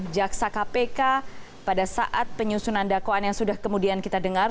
jaksa kpk pada saat penyusunan dakwaan yang sudah kemudian kita dengar